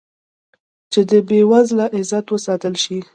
چې د بې وزله عزت وساتل شي.